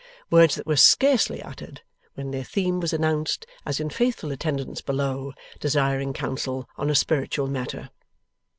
Words that were scarcely uttered when their theme was announced as in faithful attendance below, desiring counsel on a spiritual matter.